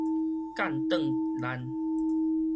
幹當難